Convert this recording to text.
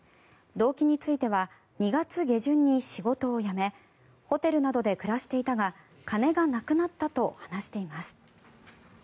動機については２月下旬に仕事を辞めホテルなどで暮らしていたが金がなくなったと話しています。